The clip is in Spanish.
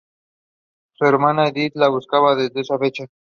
Su hermana, Edith, la busca desde esa fecha.